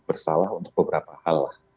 bersalah untuk beberapa hal